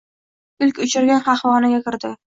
Ilk uchragan qahvaxonaga kirdi.